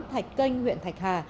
thạch canh huyện thạch hà